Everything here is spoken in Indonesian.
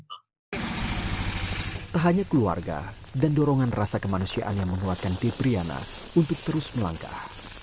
tak hanya keluarga dan dorongan rasa kemanusiaan yang menguatkan debriana untuk terus melangkah